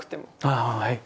ああはい。